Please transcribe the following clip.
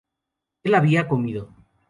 él había comido